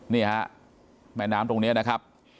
นี่ฮะแม่น้ำตรงนี้นะครับ